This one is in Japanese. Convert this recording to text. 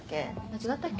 違ったっけ？